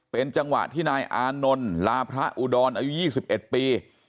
เป็นจังหวะที่นายอานนลลาพระอุดรอายุยี่สิบเอ็ดปี